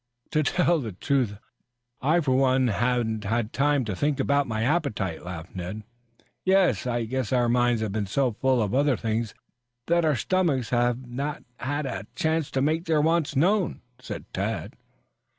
"To tell the truth, I for one haven't had time to think about my appetite," laughed Ned. "Yes, I guess our minds have been so full of other things that our stomachs have not had a chance to make their wants known," said Tad.